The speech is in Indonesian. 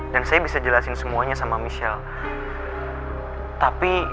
saya bisa jelasin semuanya sama michelle